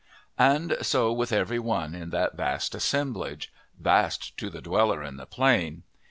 And so with every one in that vast assemblage vast to the dweller in the Plain.